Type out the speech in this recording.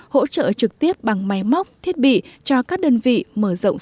hỗ trợ trực tiếp bằng máy móc thiết bị cho các đơn vị mở rộng sản phẩm